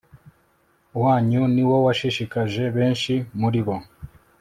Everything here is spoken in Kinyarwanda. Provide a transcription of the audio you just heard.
wanyu ni wo washishikaje benshi muri bo